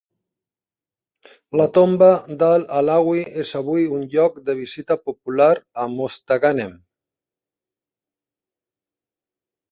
La tomba d'Al-Alawi és avui un lloc de visita popular a Mostaganem.